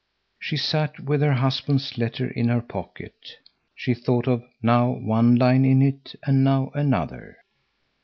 She sat with her husband's letter in her pocket. She thought of now one line in it and now another.